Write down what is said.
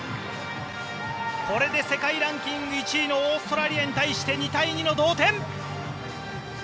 これで世界ランキング１位のオーストラリアに対して２対２の同点。